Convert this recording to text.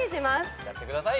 いっちゃってください。